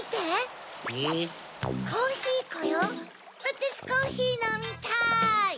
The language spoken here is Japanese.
コーヒーこよわたしコーヒーのみたい！